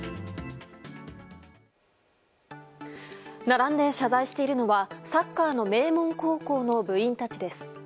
並んで謝罪しているのはサッカーの名門高校の部員たちです。